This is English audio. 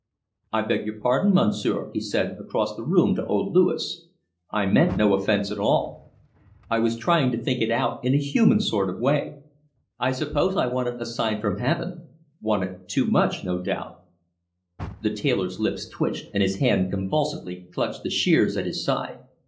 "I beg your pardon, Monsieur," he said across the room to old Louis; "I meant no offence at all. I was trying to think it out in a human sort of way. I suppose I wanted a sign from Heaven wanted too much, no doubt." The tailor's lips twitched, and his hand convulsively clutched the shears at his side.